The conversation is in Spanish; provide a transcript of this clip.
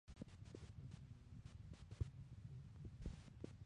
Se encuentra en la India, Pakistán y Sri Lanka.